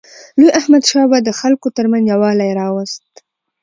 لوی احمدشاه بابا د خلکو ترمنځ یووالی راوست.